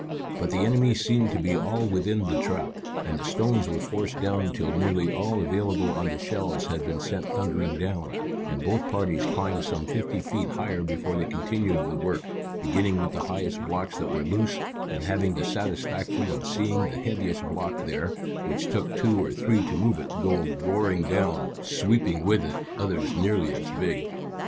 But the enemy seemed to be all within the trap, and the stones were forced down till nearly all available on the shelves had been sent thundering down, and both parties climbed some fifty feet higher before they continued the work, beginning with the highest blocks that were loose, and having the satisfaction of seeing the heaviest block there, which took two or three to move it, go roaring down, sweeping with it others nearly as big.